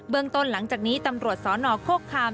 เบื้องต้นหลังจากนี้ตำรวจสนโคกคาม